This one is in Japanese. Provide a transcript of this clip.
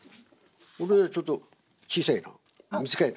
俺ちょっと小さいな短いな。